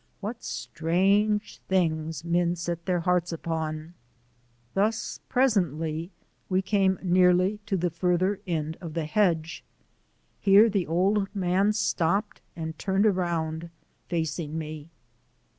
What strange things men set their hearts upon! Thus, presently, we came nearly to the farther end of the hedge. Here the old man stopped and turned around, facing me.